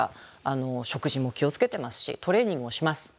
食事も気を付けてますしトレーニングもします。